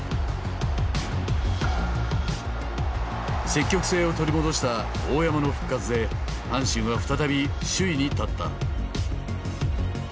積極性を取り戻した大山の復活で阪神は再び首位に立った。